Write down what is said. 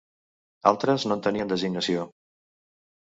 Altres no en tenien designació.